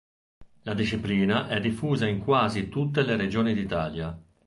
La disciplina è diffusa in quasi tutte le regioni d'Italia.